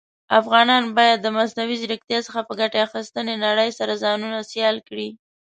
افغانان بايد د مصنوعى ځيرکتيا څخه په ګټي اخيستنې نړئ سره ځانونه سيالان کړى.